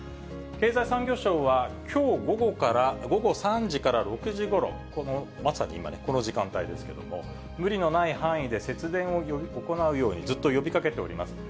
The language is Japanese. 経済産業省は、きょう午後から、午後３時から６時ごろ、まさに今ね、この時間帯ですけれども、無理のない範囲で節電を行うように、ずっと呼びかけております。